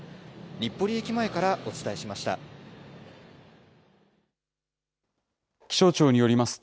日暮里駅前からお伝えしました。